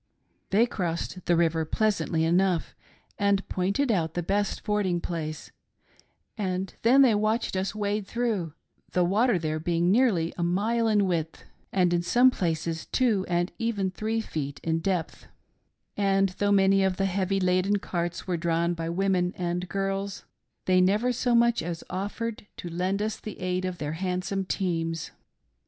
" They crossed the river pleasantly enough, and pointed out the best fording place and then they watched us wade through — the water there being nearly a mile in width,, and in some places two and even three feet in depth — and though many of the 'heavy laden carts were drawn by women and girls, they never so much as offered to lend us the aid of their handsome teams.